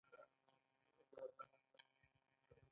پانګوال یوه برخه د خپل شخصي لګښت لپاره کاروي